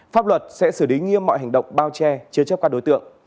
pháp luật sẽ xử lý nghiêm mọi hành động bao che chế chấp các đối tượng